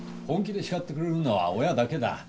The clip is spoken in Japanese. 本気で叱ってくれるのは親だけだ。